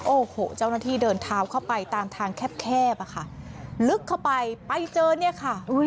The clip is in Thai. โอ้โหเจ้าหน้าที่เดินเท้าเข้าไปตามทางแคบอะค่ะลึกเข้าไปไปเจอเนี่ยค่ะ